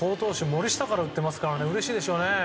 森下から打ってるからうれしいでしょうね。